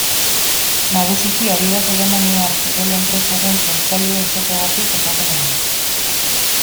Nagusiki Adidas alemaniar kirol enpresaren sortzailea izateagatik ezaguna da.